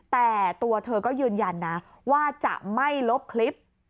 แต่ตัวเธอก็ยืนยันนะว่าจะไม่ลบคลิป